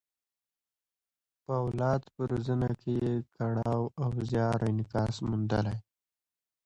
په اولاد په روزنه کې یې کړاو او زیار انعکاس موندلی.